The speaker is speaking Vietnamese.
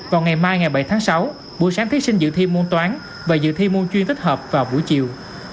vào ngày mai ngày bảy tháng sáu buổi sáng thí sinh dự thi môn toán và dự thi môn chuyên tích hợp vào buổi chiều